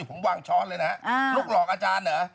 ผมวางช้อนเลยนะฮะลูกหลอกอาจารย์เหรอ